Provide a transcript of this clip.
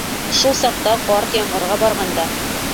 Шул саҡта ҡарт ямғырға барған да: